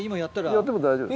やっても大丈夫。